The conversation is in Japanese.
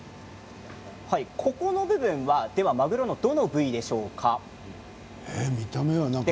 この部分は、まぐろのどの部位でしょうか。